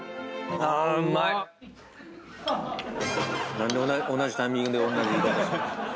何で同じタイミングで同じ言い方した？